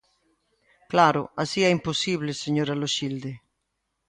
Claro, así é imposible, señora Loxilde.